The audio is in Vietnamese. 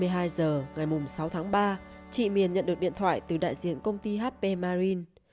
hai mươi hai h ngày sáu tháng ba chị miền nhận được điện thoại từ đại diện công ty hp marin